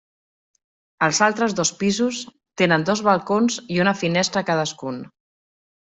Els altres dos pisos tenen dos balcons i una finestra cadascun.